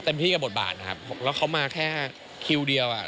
ที่กับบทบาทนะครับแล้วเขามาแค่คิวเดียวอ่ะ